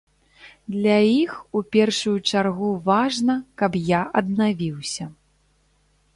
Для іх у першую чаргу важна, каб я аднавіўся.